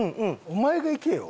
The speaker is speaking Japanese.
お前が行けよ。